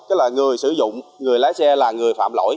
tức là người sử dụng người lái xe là người phạm lỗi